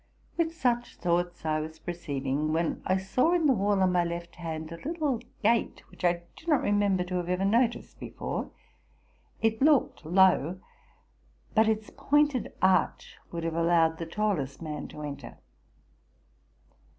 With such thoughts I was proceeding, when I saw in the wall on my left hand a little gate which I did not remember to have ever noticed before. It looked low, but its pointed arch would have allowed the tallest man to enter.